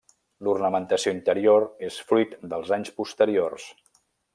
L'ornamentació interior és fruit dels anys posteriors.